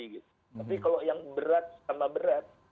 tapi kalau yang berat sama berat